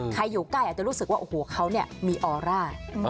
ใครอยู่ใกล้อาจจะรู้สึกว่าเขามีออร่า